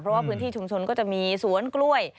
เพราะว่าพื้นที่ชุมชนก็จะมีสวนกล้วย